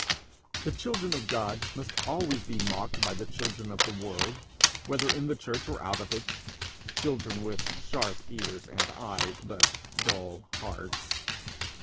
The children of God must always be mocked by the children of the world, whether in the church or out of it children with sharp ears and eyes, but dull hearts.